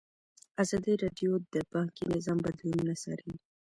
ازادي راډیو د بانکي نظام بدلونونه څارلي.